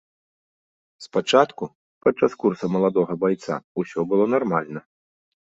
Спачатку, падчас курса маладога байца, усё было нармальна.